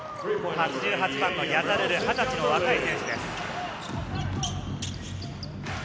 ８８番のヤザルル、二十歳の若い選手です。